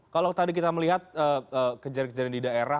kalau tadi kita melihat kejadian kejadian di daerah